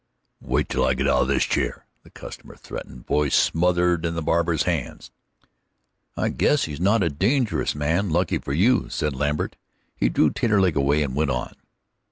"Wait till I git out of this chair!" the customer threatened, voice smothered in the barber's hands. "I guess he's not a dangerous man lucky for you," said Lambert. He drew Taterleg away; they went on.